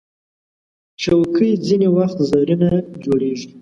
چوکۍ ځینې وخت زرینه جوړیږي.